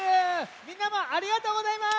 みんなもありがとうございます！